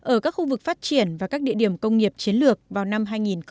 ở các khu vực phát triển và các địa điểm công nghiệp chiến lược vào năm hai nghìn ba mươi